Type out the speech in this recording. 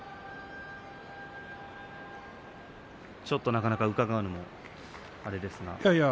なかなか伺うのもあれですが。